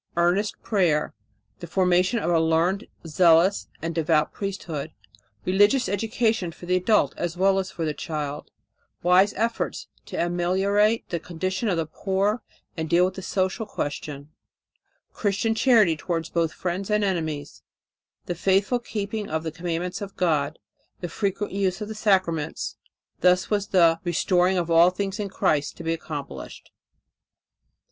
Earnest prayer, the formation of a learned, zealous and devout priesthood, religious instruction for the adult as well as for the child, wise efforts to ameliorate the condition of the poor and deal with the social question, Christian charity towards both friends and enemies, the faithful keeping of the commandments of God, the frequent use of the sacraments thus was the "restoring of all things in Christ" to be accomplished.